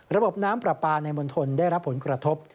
ระบบน้ำประปาในบนทนได้รับผลกระทบ